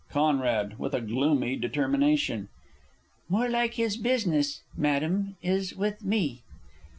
Con. (with a gloomy determination). More like his business, Madam, is with Me!